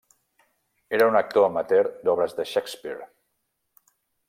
Era un actor amateur d'obres de Shakespeare.